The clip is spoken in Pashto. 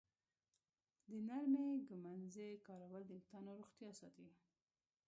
د نرمې ږمنځې کارول د ویښتانو روغتیا ساتي.